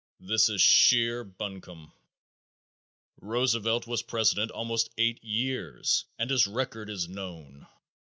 That is sheer buncombe. Roosevelt was president almost eight years and his record is known.